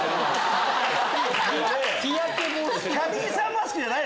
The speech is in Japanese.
キャディーさんマスクじゃない？